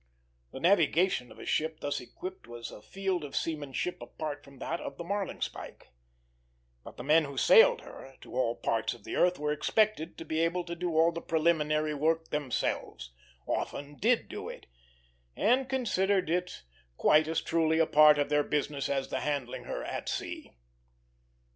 The navigation of a ship thus equipped was a field of seamanship apart from that of the marling spike; but the men who sailed her to all parts of the earth were expected to be able to do all the preliminary work themselves, often did do it, and considered it quite as truly a part of their business as the handling her at sea.